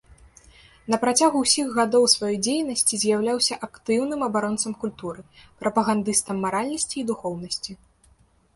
На працягу ўсіх гадоў сваёй дзейнасці з'яўляўся актыўным абаронцам культуры, прапагандыстам маральнасці і духоўнасці.